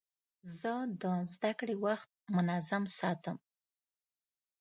زه د زدهکړې وخت منظم ساتم.